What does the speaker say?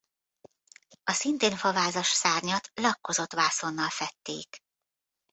A szintén favázas szárnyat lakkozott vászonnal fedték.